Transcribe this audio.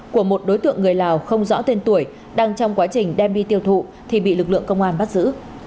của một đối tượng người lào không rõ tên tuổi đang trong quá trình đem đi tiêu thụ thì bị lực lượng công an bắt giữ